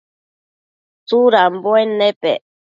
Tsudambuen nepec ?